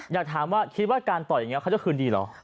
อยากถามว่าคิดว่าการต่อยอย่างนี้เขาจะคืนดีเหรอ